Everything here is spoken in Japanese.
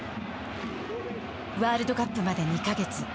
ワールドカップまで２か月。